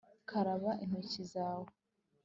karaba intoki zawe